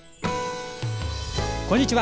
こんにちは。